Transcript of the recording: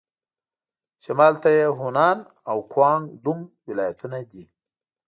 شمال ته یې هونان او ګوانګ دونګ ولايتونه دي.